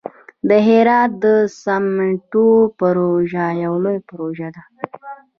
د هرات د سمنټو پروژه یوه لویه پروژه ده.